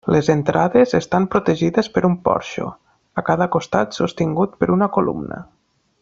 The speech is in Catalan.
Les entrades estan protegides per un porxo, a cada costat sostingut per una columna.